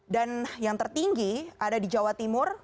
dan yang tertinggi ada di jawa timur